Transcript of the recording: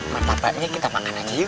mantabaknya kita mangan aja yuk